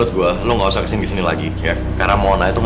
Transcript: dia gak akan macam macam